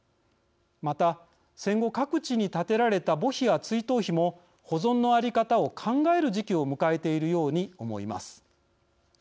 また、戦後各地に建てられた墓碑や追悼碑も保存の在り方を考える時期を迎えているように思います。